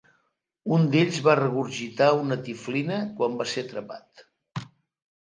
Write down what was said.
Un d'ells va regurgitar una "tiflina" quan va ser atrapat.